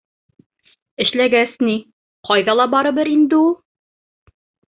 Эшләгәс ни, ҡайҙа ла барыбер инде ул.